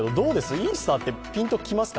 イースターってピンときますか？